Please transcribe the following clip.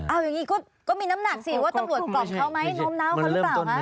เอาอย่างนี้ก็มีน้ำหนักสิว่าตำรวจกล่อมเขาไหมโน้มน้าวเขาหรือเปล่าคะ